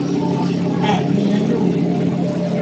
แตกเนื้อหนุ่ม